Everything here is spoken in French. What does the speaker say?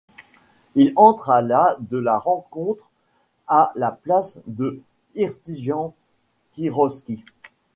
Il entre à la de la rencontre, à la place de Hristijan Kirovski.